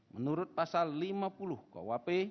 menurut pasal lima puluh kwp